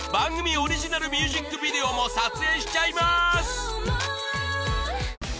オリジナルミュージックビデオも撮影しちゃいます！